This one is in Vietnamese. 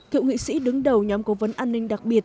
thượng nghị sĩ đứng đầu nhóm cố vấn an ninh đặc biệt